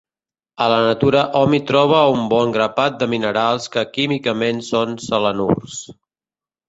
A la natura hom hi troba un bon grapat de minerals que químicament són selenurs.